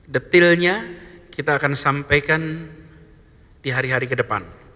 detilnya kita akan sampaikan di hari hari ke depan